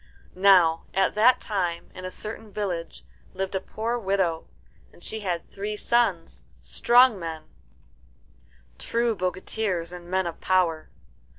Now, at that time in a certain village lived a poor widow, and she had three sons, strong men, true bogatirs and men of power.